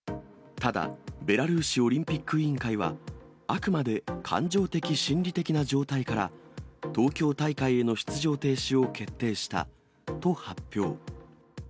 ただ、ベラルーシオリンピック委員会は、あくまで感情的・心理的な状態から、東京大会への出場停止を決定したと発表。